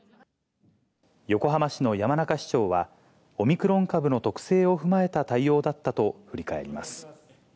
横浜市の山中市長は、オミクロン株の特性を踏まえた対応だったと振り返ります。